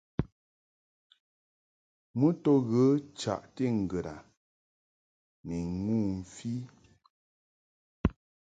Mɨ to ghə chaʼti ŋgəd a ni ŋu mfi.